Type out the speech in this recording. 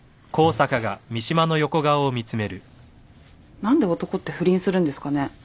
何で男って不倫するんですかね？